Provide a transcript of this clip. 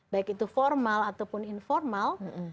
baik itu formal ataupun informal